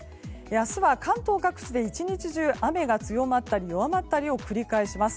明日は関東各地で１日中雨が強まったり弱まったりを繰り返します。